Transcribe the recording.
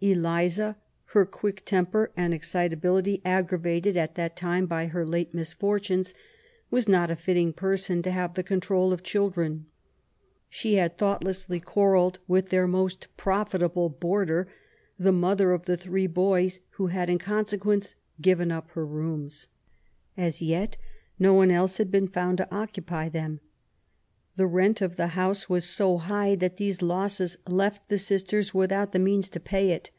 Eliza^ her quick temper and excitability •aggravated at that time by her late misfortunes, was not a fitting person to have the control of children, She had thoughtlessly quarrelled with their most profit able boarder, the mother of the three boys, who had in consequence given up her rooms. As yet no one else had been found to occupy them. The rent of the house was so high that these losses left the sisters without the means to pay it.